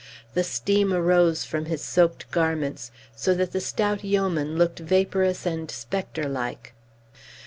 The steam arose from his soaked garments, so that the stout yeoman looked vaporous and spectre like.